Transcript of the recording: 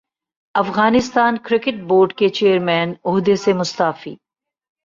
Afghanistan cricket board کے chairman عہدے سے مستعفی